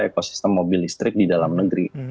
ekosistem mobil listrik di dalam negeri